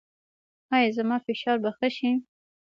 ایا زما فشار به ښه شي؟